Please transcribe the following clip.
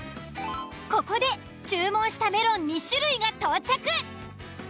ここで注文したメロン２種類が到着。